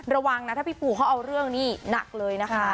ระวังนะถ้าพี่ปู่เขาเอาเรื่องนี่หนักเลยนะคะ